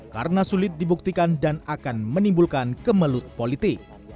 karena sulit dibuktikan dan akan menimbulkan kemelut politik